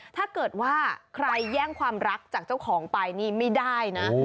ถ้าเกิดว่าใครแย่งความรักจากเจ้าของไปนี่ไม่ได้นะ